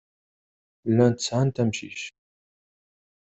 Llant sɛant amcic.